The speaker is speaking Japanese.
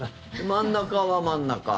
真ん中は真ん中。